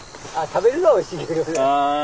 食べるのはおいしいけどね。